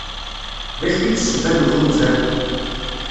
D acu i d ssebba n ufunzer?